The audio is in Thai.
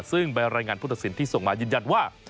ซึ่งใบรายงานผู้ตัดสินที่ส่งมายืนยันว่า